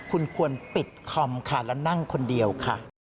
คุณควรปิดคอมค่ะแล้วนั่งคนเดียวค่ะ